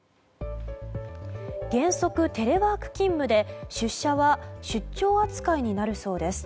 原則テレワーク勤務で出社は出張扱いになるそうです。